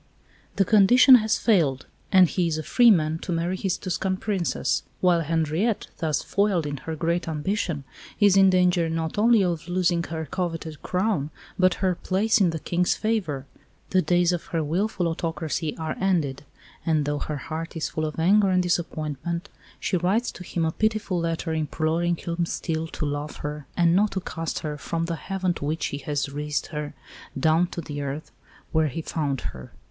The condition has failed, and he is a free man to marry his Tuscan Princess, while Henriette, thus foiled in her great ambition, is in danger not only of losing her coveted crown, but her place in the King's favour. The days of her wilful autocracy are ended; and, though her heart is full of anger and disappointment, she writes to him a pitiful letter imploring him still to love her and not to cast her "from the Heaven to which he has raised her, down to the earth where he found her."